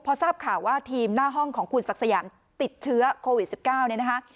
พอทราบข่าวว่าทีมหน้าห้องของคุณศักดิ์สยามติดเชื้อโควิด๑๙เนี่ยนะคะ